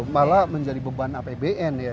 malah menjadi beban apbn ya